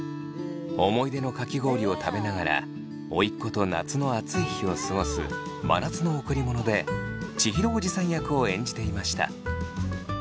思い出のかき氷を食べながら甥っ子と夏の暑い日を過ごす「真夏の贈り物」で千尋おじさん役を演じていました。